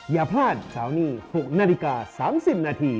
อย่าพลาดเสาร์นี้๖นาฬิกา๓๐นาที